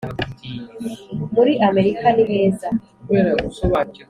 muri Amerika niheza